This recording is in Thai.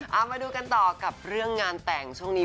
เอามาดูกันต่อกับเรื่องงานแต่งช่วงนี้